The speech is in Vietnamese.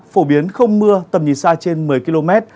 phổ biến không mưa tầm nhìn xa trên một mươi km